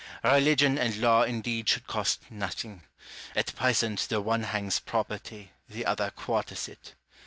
Religion and law in deed should cost nothing : at present the one hangs property, the other quarters it.